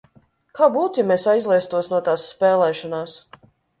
Kā būtu, ja mēs aizlaistos no tās spēlēšanās?